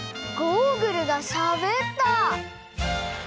ゴーグルがしゃべった！